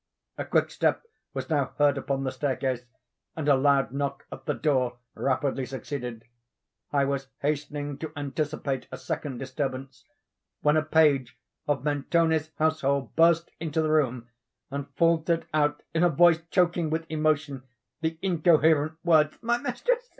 A quick step was now heard upon the staircase, and a loud knock at the door rapidly succeeded. I was hastening to anticipate a second disturbance, when a page of Mentoni's household burst into the room, and faltered out, in a voice choking with emotion, the incoherent words, "My mistress!